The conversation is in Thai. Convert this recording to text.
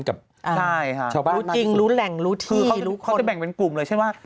เขาจะแบ่งเป็นกลุ่มเลยคือว่า